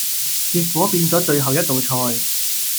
結果變左最後一道菜